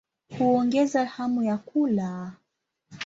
Huongeza hamu ya kula.